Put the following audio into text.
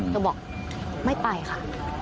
บอกไม่ไปค่ะ